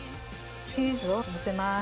チーズをのせます。